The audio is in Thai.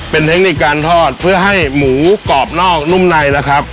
เป็นเทคนิคการทอดเพื่อให้หมูกรอบนอกนุ่มในนะครับ